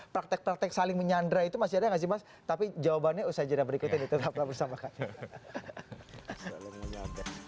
praktek praktek saling menyandra itu masih ada nggak sih mas tapi jawabannya usaha jenama berikutnya nih tetap bersama sama